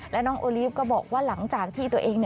และน้องโอลีฟก็บอกว่าหลังจากที่ตัวเอง